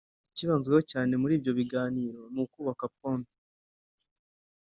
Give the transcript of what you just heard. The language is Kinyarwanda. Ikibanzweho cyane muri ibyo biganiro ni ukubaka pont